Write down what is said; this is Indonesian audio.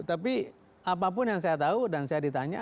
tapi apapun yang saya tahu dan saya ditanya